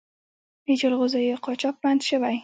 د جلغوزیو قاچاق بند شوی؟